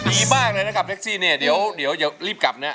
ดีมากเลยนะครับแท็กซี่เนี่ยเดี๋ยวรีบกลับนะ